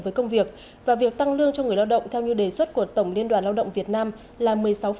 với công việc và việc tăng lương cho người lao động theo như đề xuất của tổng liên đoàn lao động việt nam là một mươi sáu